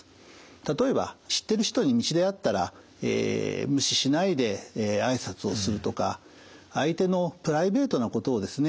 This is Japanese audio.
例えば知ってる人に道で会ったら無視しないで挨拶をするとか相手のプライベートなことをですね